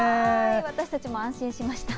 私たちも安心しました。